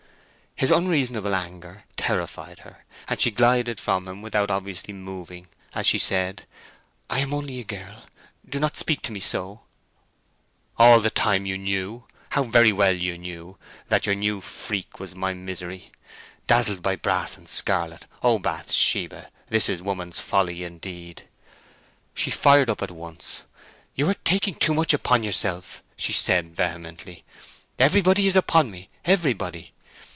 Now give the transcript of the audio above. His unreasonable anger terrified her, and she glided from him, without obviously moving, as she said, "I am only a girl—do not speak to me so!" "All the time you knew—how very well you knew—that your new freak was my misery. Dazzled by brass and scarlet—Oh, Bathsheba—this is woman's folly indeed!" She fired up at once. "You are taking too much upon yourself!" she said, vehemently. "Everybody is upon me—everybody.